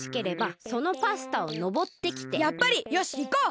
やっぱり！よしいこう！